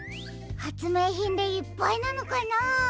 はつめいひんでいっぱいなのかな？